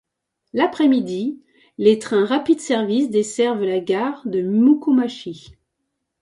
L'après midi, les trains Rapid Service desservent la gare de Mukōmachi.